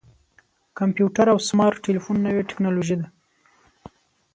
کمپیوټر او سمارټ ټلیفون نوې ټکنالوژي ده.